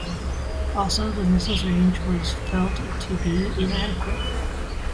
Also, the missile's range was felt to be inadequate.